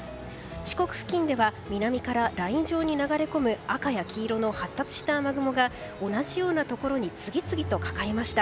四国付近では南からライン状に流れ込む赤や黄色の発達した雨雲が同じようなところに次々とかかりました。